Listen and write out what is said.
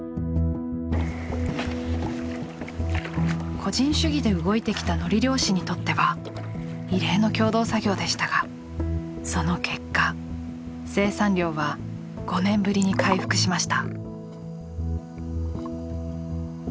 個人主義で動いてきたのり漁師にとっては異例の共同作業でしたがその結果生産量は５年ぶりに回復しました。